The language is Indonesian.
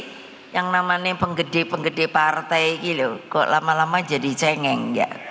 tapi yang namanya penggede penggede partai gitu kok lama lama jadi cengeng